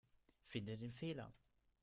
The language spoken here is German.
Finde den Fehler.